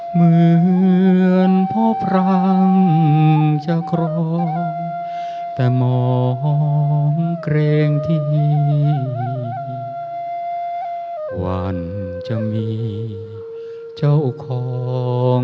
เหมือนพ่อพรั่งจะครองแต่มองเกรงที่นี่วันจะมีเจ้าของ